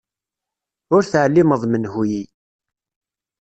Ur teɛlimeḍ menhu-yi.